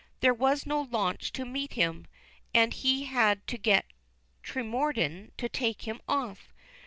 There was no launch to meet him, and he had to get Tremorden to take him off.